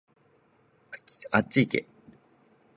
あっちいけ